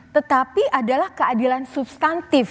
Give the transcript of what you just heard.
tetapi adalah keadilan substantif